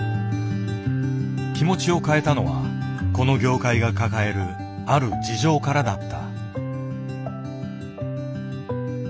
気持ちを変えたのはこの業界が抱えるある事情からだった。